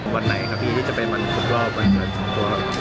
วันไหนครับพี่ที่จะเป็นวันฝุ่นรอบวันเกิดของพ่อ